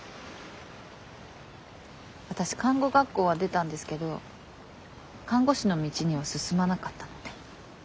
私看護学校は出たんですけど看護師の道には進まなかったので。